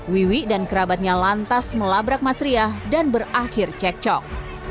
wiwi dan kerabatnya lantas melabrak mas riah dan berakhir cekcok